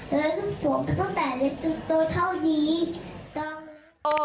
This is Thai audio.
แม่ค่อมือขอเกลียด